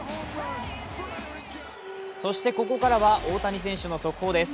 そしてここからは大谷選手の速報です。